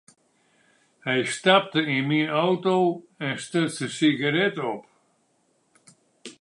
Hy stapte yn myn auto en stuts in sigaret op.